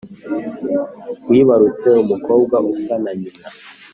Wibarutse umukobwa usa na nyina